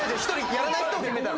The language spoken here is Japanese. やらない人を決めたの。